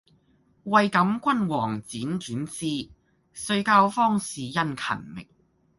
為感君王輾轉思，遂教方士殷勤覓。